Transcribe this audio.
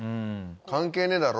関係ねえだろ。